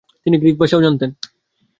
তিনি গ্রিক ভাষাও জানতেন।